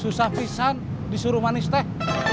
susah pisang disuruh manis teh